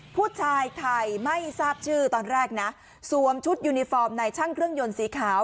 ผู้ชายไทยไม่ทราบชื่อตอนแรกนะสวมชุดยูนิฟอร์มในช่างเครื่องยนต์สีขาว